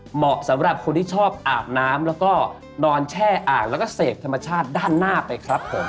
เหมาะสำหรับคนที่ชอบอาบน้ำแล้วก็นอนแช่อ่างแล้วก็เสพธรรมชาติด้านหน้าไปครับผม